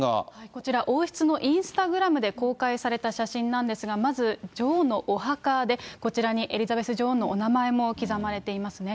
こちら、王室のインスタグラムで公開された写真なんですが、まず女王のお墓で、こちらにエリザベス女王のお名前も刻まれていますね。